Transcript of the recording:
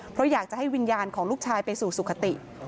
เพราะอยากจะให้วิญญาณของลูกชายไปสู่สุขติ